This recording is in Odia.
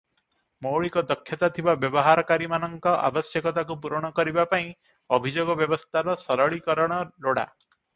ମୌଳିକ ଦକ୍ଷତା ଥିବା ବ୍ୟବହାରକାରୀମାନଙ୍କ ଆବଶ୍ୟକତାକୁ ପୂରଣ କରିବା ପାଇଁ ଅଭିଯୋଗ ବ୍ୟବସ୍ଥାର ସରଳୀକରଣ ଲୋଡ଼ା ।